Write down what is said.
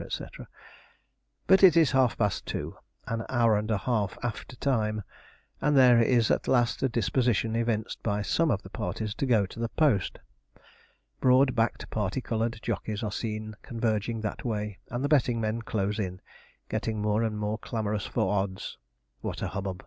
&c. But it is half past two (an hour and a half after time), and there is at last a disposition evinced by some of the parties to go to the post. Broad backed parti coloured jockeys are seen converging that way, and the betting men close in, getting more and more clamorous for odds. What a hubbub!